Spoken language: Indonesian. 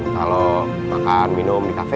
kalau makan minum di kafe